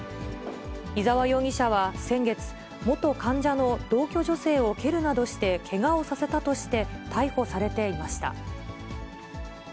伊沢容疑者は先月、元患者の同居女性を蹴るなどしてけがをさせたとして逮捕されていました。